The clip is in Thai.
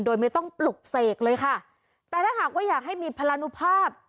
โดยไม่ต้องปลุกเสกเลยค่ะแต่ถ้าหากว่าอยากให้มีพลานุภาพ